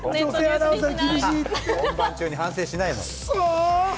本番中に反省しないの。